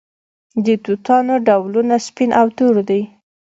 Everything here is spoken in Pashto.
د توتانو ډولونه سپین او تور دي.